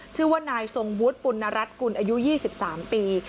ชื่อว่านายทรงวุฒิปุณรัฐกุลอายุ๒๓ปี